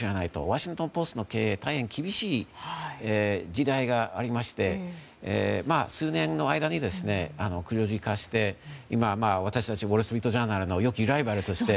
ワシントン・ポストの経営大変厳しい時代がありまして数年の間に、黒字化して今、私たちウォール・ストリート・ジャーナルの良きライバルとして。